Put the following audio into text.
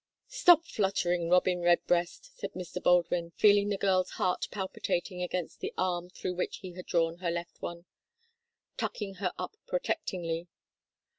"Stop fluttering, Robin Redbreast," said Mr. Baldwin, feeling the girl's heart palpitating against the arm through which he had drawn her left one, tucking her up protectingly.